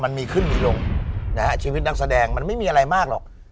มันมีขึ้นมีลงนะฮะชีวิตนักแสดงมันไม่มีอะไรมากหรอก